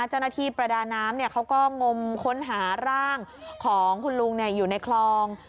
เจ้าหน้าที่ประดาน้ำเนี่ยเขาก็งมค้นหาร่างของคุณลุงเนี่ยอยู่ในคลอง